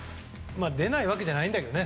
出ないわけじゃないんだけどね。